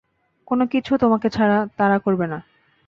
কোনোকিছু তোমাকে তাড়া করবে না।